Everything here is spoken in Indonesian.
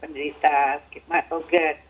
menderita sakit matahari